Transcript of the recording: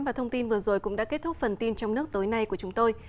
và thông tin vừa rồi cũng đã kết thúc phần tin trong nước tối nay của chúng tôi